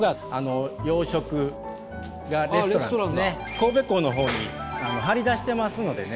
神戸港のほうに張り出してますのでね